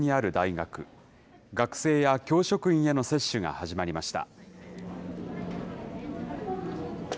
学生や教職員への接種が始まりました。